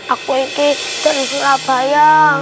aku ini dari surabaya